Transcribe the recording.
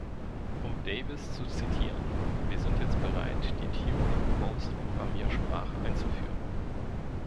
Um Davis zu zitieren: Wir sind jetzt bereit, die Turing-Post-Programmiersprache einzuführen.